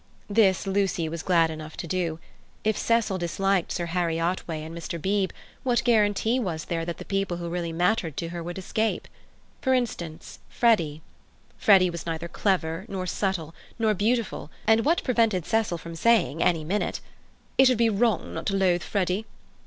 This Lucy was glad enough to do. If Cecil disliked Sir Harry Otway and Mr. Beebe, what guarantee was there that the people who really mattered to her would escape? For instance, Freddy. Freddy was neither clever, nor subtle, nor beautiful, and what prevented Cecil from saying, any minute, "It would be wrong not to loathe Freddy"?